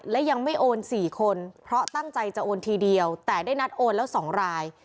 และยังไม่โอน๔คนเพราะตั้งใจจะโอนทีเดียวแต่ได้นัดโอนแล้ว๒ราย